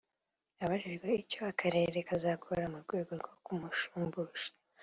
Abajijwe icyo akarere kazakora mu rwego rwo kumushumbusha